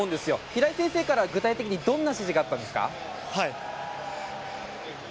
平井先生からは、具体的にどんな指示があったんですか？